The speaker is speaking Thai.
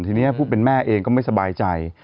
ทีนี้ผู้เป็นแม่เองก็ไม่สบายใจ